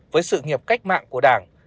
với sự nghiệp cách mạng của đảng